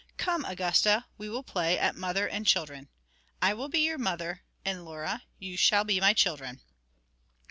'Come, Augusta, we will play at mother and children. I will be your mother, and Laura and you shall be my children.'